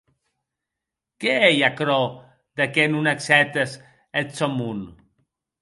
Qué ei aquerò de qué non accèptes eth sòn mon?